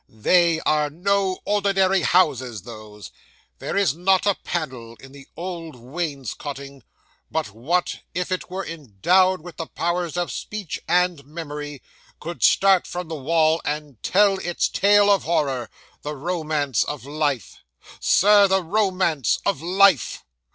They are no ordinary houses, those. There is not a panel in the old wainscotting, but what, if it were endowed with the powers of speech and memory, could start from the wall, and tell its tale of horror the romance of life, Sir, the romance of life!